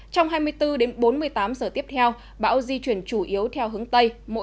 trong hai mươi bốn đến bốn mươi tám giờ tiếp theo bão di chuyển chủ yếu theo hướng tây